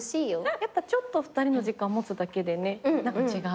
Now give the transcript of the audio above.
やっぱちょっと２人の時間持つだけでね何か違う。